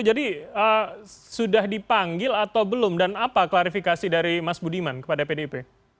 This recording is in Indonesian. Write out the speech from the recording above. jadi sudah dipanggil atau belum dan apa klarifikasi dari mas budiman kepada pdp